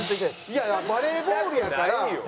いやバレーボールやから。